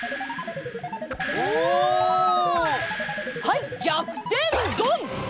はい逆転ドン！